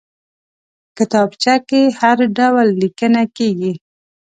کتابچه کې هر ډول لیکنه کېږي